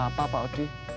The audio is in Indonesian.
nggak apa apa pak udi